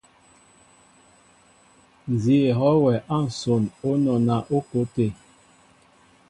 Nzi éhoo wɛ a nson o nɔna o ko té.